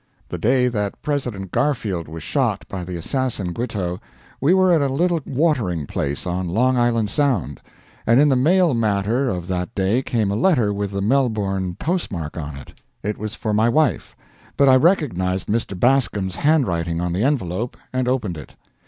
The day that President Garfield was shot by the assassin Guiteau, we were at a little watering place on Long Island Sound; and in the mail matter of that day came a letter with the Melbourne post mark on it. It was for my wife, but I recognized Mr. Bascom's handwriting on the envelope, and opened it.